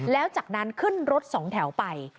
แล้วจากนั้นขึ้นรถสองแถวไป